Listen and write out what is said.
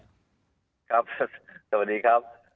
ครับสวัสดีครับ